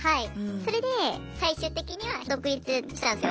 それで最終的には独立したんですよ。